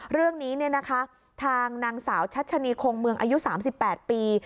เรื่องนี้เนี่ยนะคะทางนางสาวชัชนีคงเมืองอายุสามสิบแปดปี